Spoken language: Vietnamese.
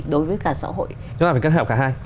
đối với cả xã hội chúng ta phải kết hợp cả hai